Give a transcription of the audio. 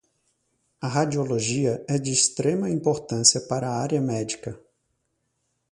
A radiologia é de extrema importância para a área médica